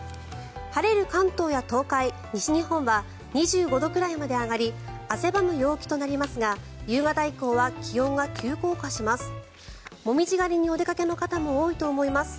晴れる関東や東海、西日本は２５度くらいまで上がり汗ばむ陽気となりますが夕方以降は気温が急降下します。